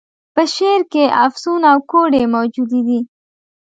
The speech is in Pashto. په شعر کي افسون او کوډې موجودي دي.